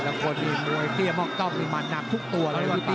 มันก็ที่มีเจ้าตัวแล้ว